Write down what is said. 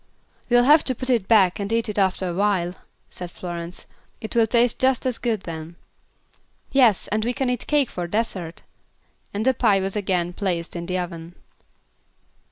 "We'll have to put it back and eat it after awhile," said Florence. "It will taste just as good then." "Yes, and we can eat cake for dessert," and the pie was again placed in the oven.